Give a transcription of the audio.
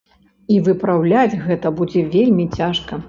І выпраўляць гэта будзе вельмі цяжка.